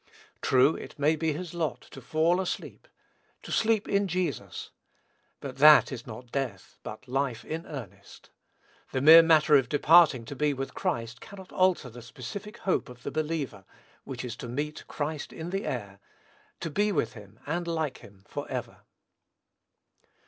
True, it may be his lot to "fall asleep," to "sleep in Jesus," but that is not death, but "life in earnest." The mere matter of departing to be with Christ cannot alter the specific hope of the believer, which is to meet Christ in the air, to be with him, and like him, forever.